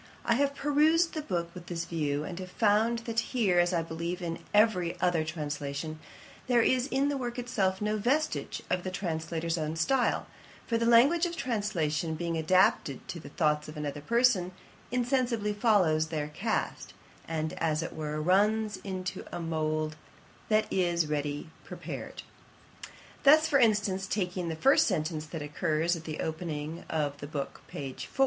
I have perused the book with this view, and have found that here, as I believe in every other translation, there is in the work itself no vestige of the translator's own style; for the language of translation being adapted to the thoughts of another person, insensibly follows their cast, and, as it were, runs into a mould that is ready prepared. Thus, for instance, taking the first sentence that occurs at the opening of the book, p. 4.